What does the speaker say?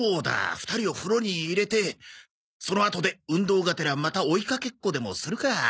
２人を風呂に入れてそのあとで運動がてらまた追いかけっこでもするか。